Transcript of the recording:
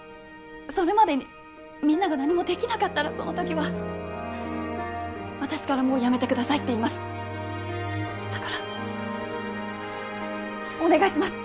それまでにみんなが何もできなかったらその時は私からもうやめてくださいって言いますだからお願いします